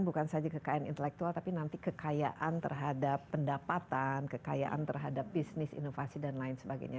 bukan saja kekayaan intelektual tapi nanti kekayaan terhadap pendapatan kekayaan terhadap bisnis inovasi dan lain sebagainya